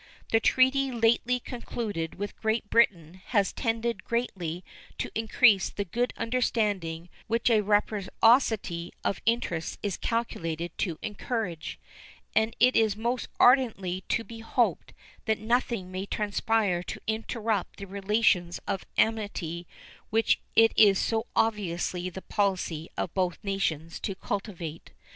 The treaty lately concluded with Great Britain has tended greatly to increase the good understanding which a reciprocity of interests is calculated to encourage, and it is most ardently to be hoped that nothing may transpire to interrupt the relations of amity which it is so obviously the policy of both nations to cultivate.